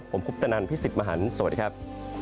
ผมคุปตนันพี่สิทธิ์มหันฯสวัสดีครับ